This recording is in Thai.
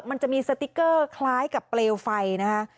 มันจะมีสติ๊กเกอร์คล้ายกับเปลวไฟนะคะ